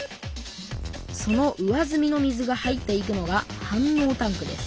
その上ずみの水が入っていくのが反応タンクです。